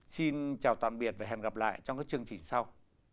xin chào tạm biệt và hẹn gặp lại trong các chương trình sau